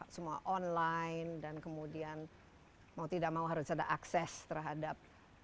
semua online dan kemudian mau tidak mau harus ada akses terhadap